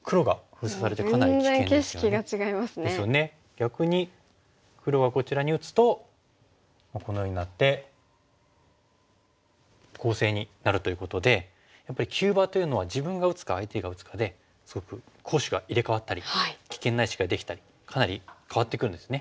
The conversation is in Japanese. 逆に黒はこちらに打つとこのようになって攻勢になるということでやっぱり急場というのは自分が打つか相手が打つかですごく攻守が入れ代わったり危険な石ができたりかなり変わってくるんですね。